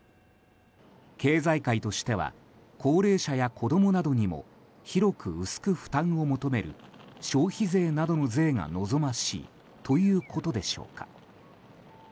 経済界としては高齢者や子供などにも広く薄く負担を求める消費税などの税が望ましいということでしょうか。